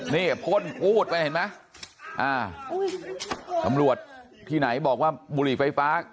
นี่พ่นปูดไปเห็นไหมอ่าอุ้ยตำรวจที่ไหนบอกว่าบุหรี่ไฟฟ้า